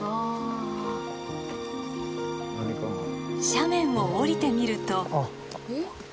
斜面を下りてみると。